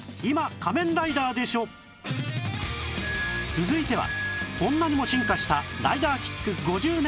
続いてはこんなにも進化したライダーキック５０年の歴史